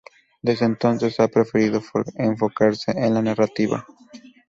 Desde entonces ha preferido enfocarse en la narrativa.